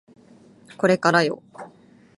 これからよ